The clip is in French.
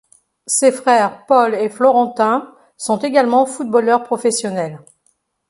Ses frères Paul et Florentin sont également footballeurs professionnels.